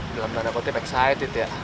dalam tanda koti kita excited ya